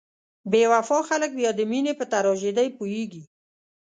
بې وفا خلک بیا د مینې په تراژیدۍ پوهیږي.